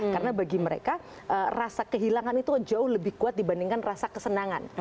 karena bagi mereka rasa kehilangan itu jauh lebih kuat dibandingkan rasa kesenangan